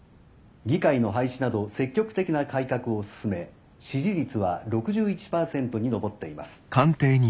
議会の廃止など積極的な改革を進め支持率は６１％に上っています」。